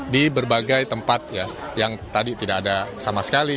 di berbagai tempat yang tadi tidak ada sama sekali